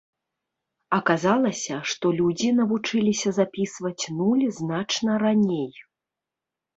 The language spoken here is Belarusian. Аказалася, што людзі навучыліся запісваць нуль значна раней.